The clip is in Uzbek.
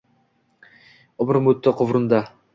Umrimo’tdi quvrinda.